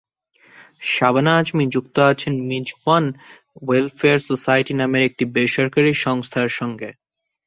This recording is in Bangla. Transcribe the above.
শাবানা আজমি যুক্ত আছেন মিজওয়ান ওয়েলফেয়ার সোসাইটি নামের একটি বেসরকারি সংস্থার সঙ্গে।